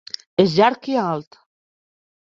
És llarg, i alt.